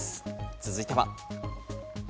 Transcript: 続いては。